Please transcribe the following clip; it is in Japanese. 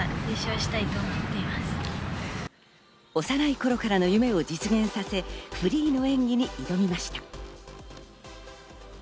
幼い頃からの夢を実現させフリーの演技に挑みました。